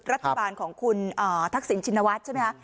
รัฐบาลของคุณทักษิณชินวัฒน์ใช่ไหมคะ